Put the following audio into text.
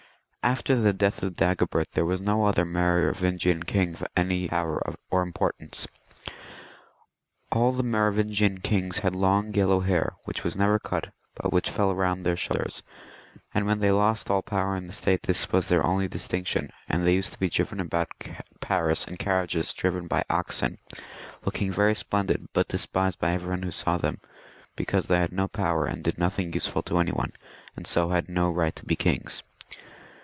After the death of Dagobert there was no other Merovingian king of any power or importance. All the Merovingian kings had long yellow hair which was never cut, but which fell round their shoulders ; and when they lost all power in the State this was their only distinction, and they used to be driven about Paris in carriages drawn by oxen, looking very splen did, but despised by every one who saw them, because they had no power and did nothing useful to any one, and so had no right to be kings.